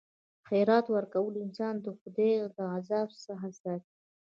خیرات ورکول انسان د خدای د عذاب څخه ساتي.